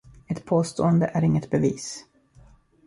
Ett påstående är inget bevis.